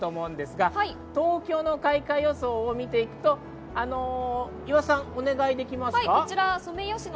東京の開花予想を見ていくと、岩田さん、お願いします。